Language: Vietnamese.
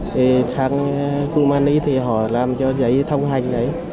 thì sang kumani thì họ làm cho giấy thông hành đấy